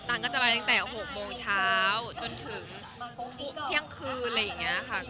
ตันก็จะไปตั้งแต่หกโมงเช้าจนถึงเที่ยงคืน